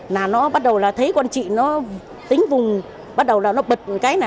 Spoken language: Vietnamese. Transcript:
nà nó bắt đầu là thấy con chị nó tính vùng bắt đầu là nó bật cái nà